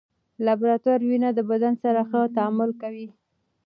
لابراتوار وینه د بدن سره ښه تعامل کوي.